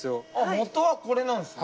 もとはこれなんですね。